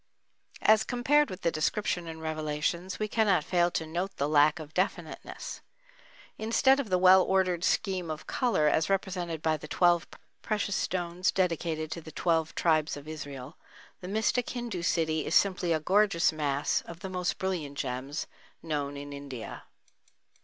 As compared with the description in Revelations we cannot fail to note the lack of definiteness. Instead of the well ordered scheme of color as represented by the twelve precious stones dedicated to the twelve tribes of Israel, the mystic Hindu city is simply a gorgeous mass of the most brilliant gems known in India.